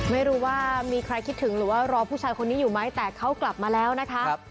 ไม่รู้ว่ามีใครคิดถึงหรือว่ารอผู้ชายคนนี้อยู่ไหมแต่เขากลับมาแล้วนะคะ